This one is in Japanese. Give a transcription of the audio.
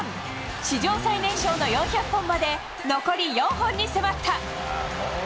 史上最年少の４００本まで残り４本に迫った。